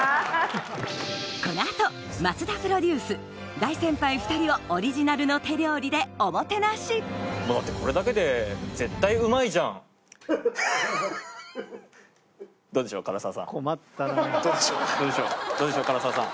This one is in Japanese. この後増田プロデュース大先輩２人をオリジナルの手料理でおもてなしどうでしょう唐沢さん。